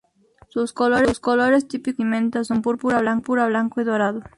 Sus colores típicos de vestimenta son Púrpura, blanco y dorado.